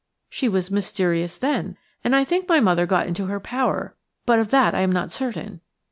She was mysterious then, and I think my mother got into her power, but of that I am not certain.